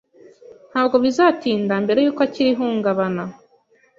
Ntabwo bizatinda mbere yuko akira ihungabana